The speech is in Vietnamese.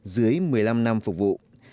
dưới một mươi năm năm phục vụ